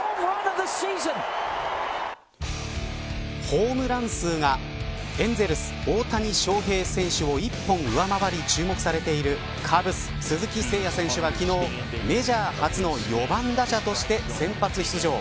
ホームラン数がエンゼルス、大谷翔平選手を１本上回り注目されているカブス、鈴木誠也選手は昨日メジャー初の４番打者として先発出場。